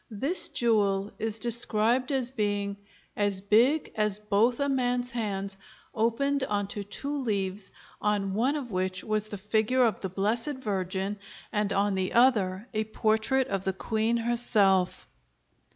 This jewel is described as being "as big as both a man's hands, opened onto two leaves, on one of which was the figure of the Blessed Virgin and on the other a portrait of the queen herself."